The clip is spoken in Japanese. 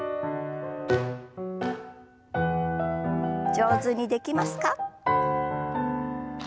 上手にできますか？